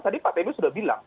tadi pak tebe sudah bilang